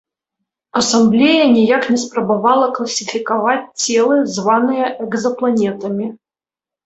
Асамблея ніяк не спрабавала класіфікаваць целы, званыя экзапланетамі.